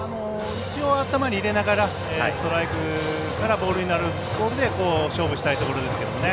一応、頭に入れながらストライクからボールになるボールで勝負したいところですけどね。